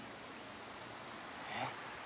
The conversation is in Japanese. えっ？